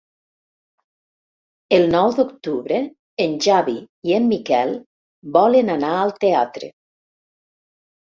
El nou d'octubre en Xavi i en Miquel volen anar al teatre.